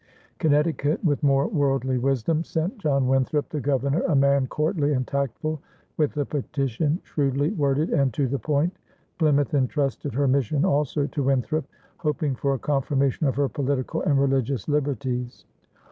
Connecticut, with more worldly wisdom, sent John Winthrop, the Governor, a man courtly and tactful, with a petition shrewdly worded and to the point. Plymouth entrusted her mission also to Winthrop, hoping for a confirmation of her political and religious liberties.